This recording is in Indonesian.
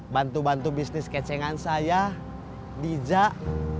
bantu bantu bisnis kecengaan saya dijak